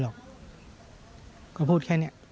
จากคำที่เขาพูดคำนั้นกับเรา